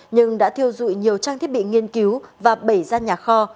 nhưng đã thiêu rụi nhiều trang thiết bị nghiên cứu và bẩy ra nhà kho